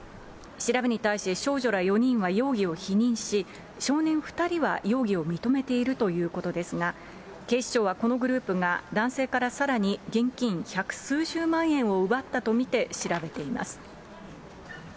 調べに対し少女ら４人は容疑を否認し、少年２人は容疑を認めているということですが、警視庁はこのグループが、男性からさらに現金百数十万円を奪ったとみて調べています。